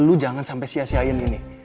lu jangan sampai sia siain ini